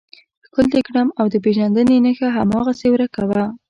ښکل دې کړم او د پېژندنې نښه هماغسې ورکه وه.